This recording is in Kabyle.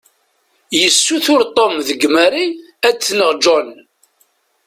Yessuter Tom deg Mary ad tneɣ john.